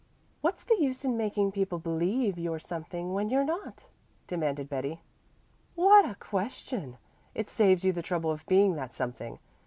"What's the use in making people believe you're something that you're not?" demanded Betty. "What a question! It saves you the trouble of being that something.